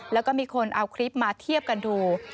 แล้วก็มีคนเอาคลิปมาเทียบกันดู